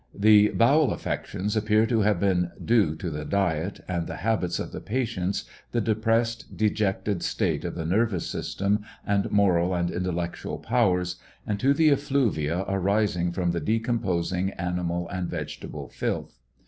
The bowel affections appear to have been due to the diet, and the habits of the patients, the depressed, dejected state of the nervous system and moral and intellectual powers, and to the effluvia arising from the decomposing animal and vegetable filth.